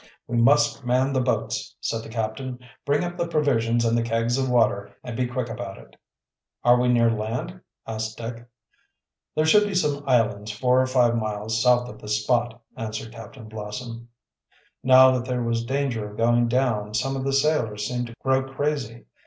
"We must man the boats," said the captain. "Bring up the provisions and the kegs of water, and be quick about it." "Are we near land?" asked Dick. "There should be some islands four or five miles south of this spot," answered Captain Blossom. Now that there was danger of going down some of the sailors seemed to grow crazy.